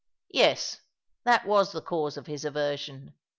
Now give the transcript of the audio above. Yes, that was the cause of his aversion.